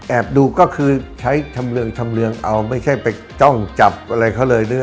ดูก็คือใช้ทำเรืองทำเรืองเอาไม่ใช่ไปจ้องจับอะไรเขาเลย